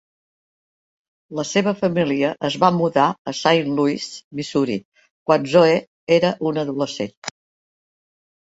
La seva família es va mudar a Saint Louis, Missouri, quan Zoe era un adolescent.